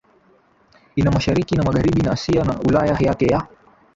ina Mashariki na Magharibi na Asia na Ulaya Yake ya